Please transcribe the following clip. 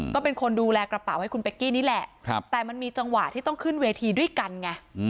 ก็เป็นคนดูแลกระเป๋าให้คุณเป๊กกี้นี่แหละแต่มันมีจังหวะที่ต้องขึ้นเวทีด้วยกันไง